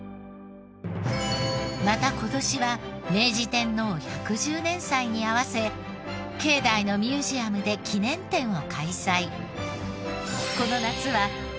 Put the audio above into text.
また今年は明治天皇百十年祭に合わせ境内のミュージアムで記念展を開催。